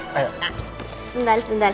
bentar sebentar sebentar